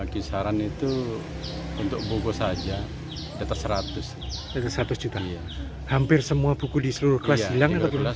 kisaran itu untuk buku saja atas seratus juta hampir semua buku di seluruh kelas hilang